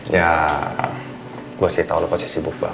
ya gue sih tau lo kok justru sibuk banget